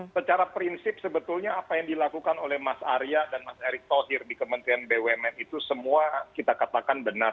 secara prinsip sebetulnya apa yang dilakukan oleh mas arya dan mas erick thohir di kementerian bumn itu semua kita katakan benar